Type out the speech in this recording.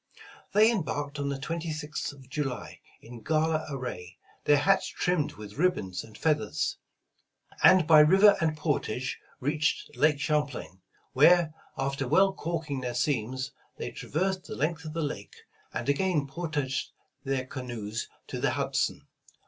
They embarked on the 26th of July, in gala array, their hats trimmed with ribbons and feathers ; and by river and portage reached Lake Champlain, where after "well calking their seams," they traversed the length of the Lake, and again portaged their canoes to the Hudson.